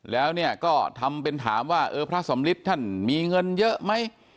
แล้วเนี่ยก็ทำเป็นถามว่าเออพระสำลิดท่านมีเงินเยอะไหม